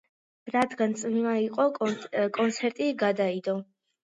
რადგან წვიმა იყო კონცერტი გადაიდო